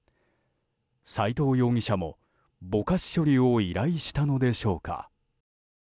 斎藤容疑者も、ぼかし処理を依頼したのでしょうか。